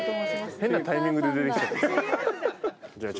変なタイミングで出てきちゃった。